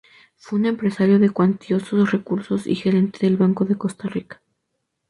Fue un empresario de cuantiosos recursos y Gerente del Banco de Costa Rica.